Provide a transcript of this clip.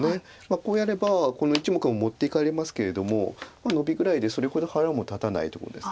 こうやればこの１目は持っていかれますけどもノビぐらいでそれほど腹も立たないとこです。